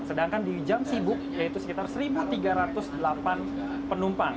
sedangkan di jam sibuk yaitu sekitar satu tiga ratus delapan penumpang